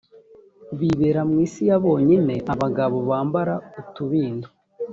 bibera mu isi ya bonyine abagabo bambara utubindo